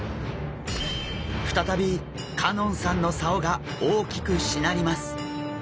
再び香音さんの竿が大きくしなります。